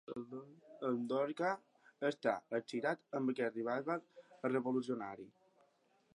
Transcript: El Dorca està excitat amb aquest revival revolucionari.